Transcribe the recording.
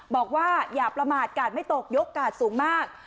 บอกว่าอย่าประมาทกาดไม่ตกยกกาดสูงมาก